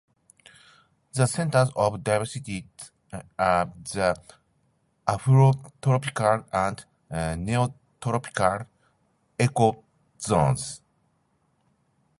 The centres of diversity are the Afrotropical and Neotropical ecozones.